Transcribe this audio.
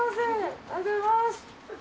ありがとうございます。